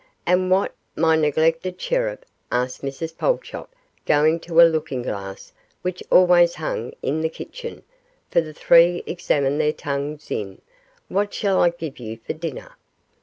'And what, my neglected cherub,' asked Mrs Pulchop, going to a looking glass which always hung in the kitchen, for the three to examine their tongues in, 'what shall I give you for dinner?